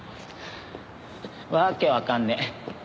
わけわかんねえ！